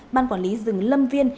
ban quản lý rừng lâm viên